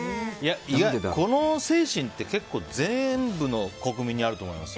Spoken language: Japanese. この精神って結構全部の国民にあると思います。